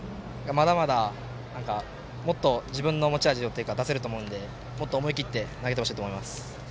まだまだ、もっと自分の持ち味を出せると思うのでもっと思い切って投げてほしいと思います。